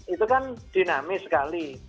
itu kan dinamis sekali